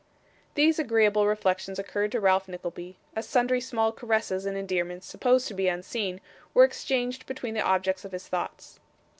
These agreeable reflections occurred to Ralph Nickleby, as sundry small caresses and endearments, supposed to be unseen, were exchanged between the objects of his thoughts.